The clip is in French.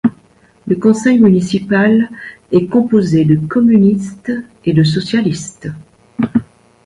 Le conseil municipal est composé de communistes et de socialistes.